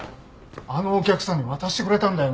あのお客さんに渡してくれたんだよね？